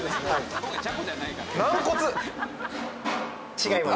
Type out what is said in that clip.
違います。